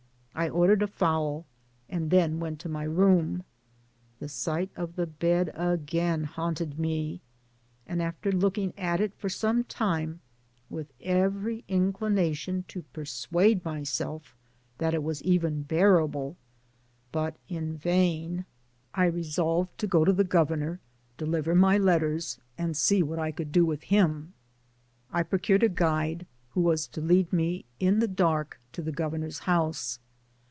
I ordered a fowl, and then went to my room. The sight of the bed again haunted me, and after looking at it for some time with every inclination to persuade my self that it was even bearable, but in vain — I re solved to go to the Governor, deliver my letters, and see what I could do with him. I procured a guide, who was to lead me in the dark to the Governor's house.